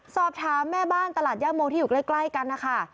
สอบถามแม่บ้านตลาดย่าโมที่อยู่ใกล้กันนะคะ